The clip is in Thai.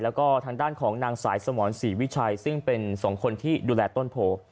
แล้วก็ทางด้านของนางสายสมรศรีวิชัยซึ่งเป็นสองคนที่ดูแลต้นโพ